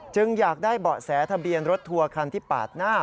อยากได้เบาะแสทะเบียนรถทัวร์คันที่ปาดหน้า